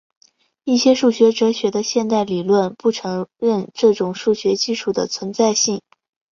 一些数学哲学的现代理论不承认这种数学基础的存在性。